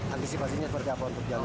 antisipasinya berapa untuk jalur